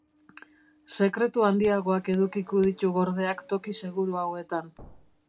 Sekretu handiagoak edukiko ditu gordeak toki seguruagoetan.